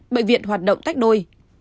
bệnh viện hoạt động tách đôi